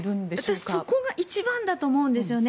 私そこが一番だと思うんですよね。